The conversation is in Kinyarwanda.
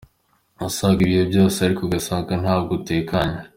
usabwa byose ariko ugasanga ntabwo utekanye.